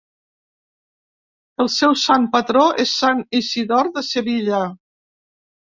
El seu sant patró és sant Isidor de Sevilla.